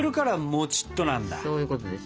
そういうことです。